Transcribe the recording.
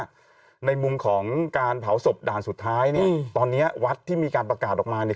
ในมุมของการเผาศพด่านสุดท้ายเนี่ยตอนเนี้ยวัดที่มีการประกาศออกมาเนี่ย